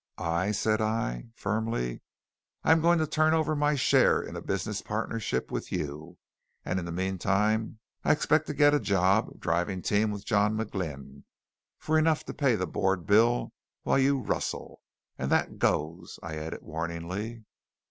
"I," said I, firmly, "am going to turn over my share in a business partnership with you; and in the meantime I expect to get a job driving team with John McGlynn for enough to pay the board bill while you rustle. And that goes!" I added warningly.